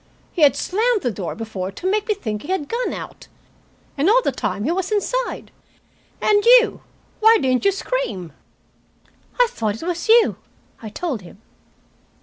He had slammed the door before to make me think he had gone out, and all the time he was inside. And you why didn't you scream?" "I thought it was you," I told him.